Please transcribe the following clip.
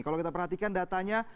kalau kita perhatikan datanya